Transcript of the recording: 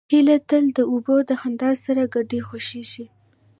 هیلۍ تل د اوبو د خندا سره ګډه خوښي ښيي